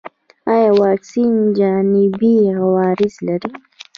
ایا واکسین جانبي عوارض لري؟